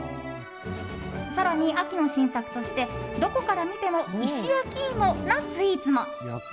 更に秋の新作としてどこから見ても石焼き芋なスイーツも。